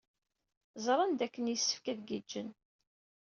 Ẓran dakken yessefk ad giǧǧen.